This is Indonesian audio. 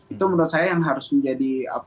itu menurut saya yang harus menjadi